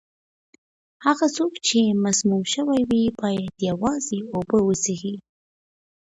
هغه څوک چې مسموم شوی وي، باید یوازې اوبه وڅښي.